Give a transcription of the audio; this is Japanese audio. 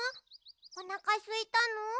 おなかすいたの？